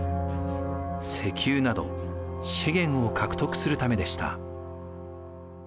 石油など資源を獲得するためでした。